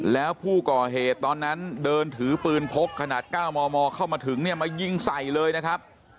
แล้วผู้ก่อเหตุตอนนั้นเดินถือปืนพกขนาด๙มมเข้ามาถึงเนี่ยมายิงใส่เลยนะครับ